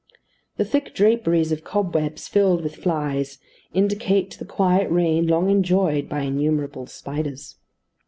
The thick draperies of cobwebs, filled with flies, indicate the quiet reign long enjoyed by innumerable spiders.